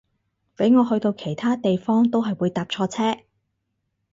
俾我去到其他地方都係會搭錯車